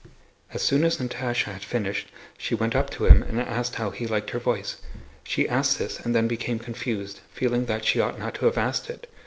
As soon as Natásha had finished she went up to him and asked how he liked her voice. She asked this and then became confused, feeling that she ought not to have asked it.